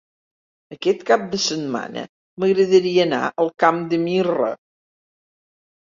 Aquest cap de setmana m'agradaria anar al Camp de Mirra.